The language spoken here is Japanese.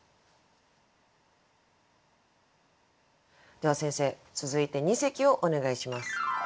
では先生続いて二席をお願いします。